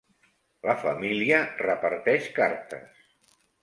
La família reparteix cartes.